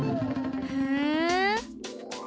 ふん。